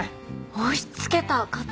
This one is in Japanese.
押しつけた課長。